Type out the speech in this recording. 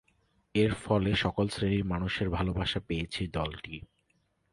এর ফলে সকল শ্রেণীর মানুষের ভালোবাসা পেয়েছে দলটি।